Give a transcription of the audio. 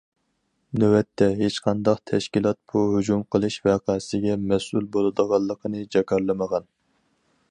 نۆۋەتتە ھېچقانداق تەشكىلات بۇ ھۇجۇم قىلىش ۋەقەسىگە مەسئۇل بولىدىغانلىقىنى جاكارلىمىغان.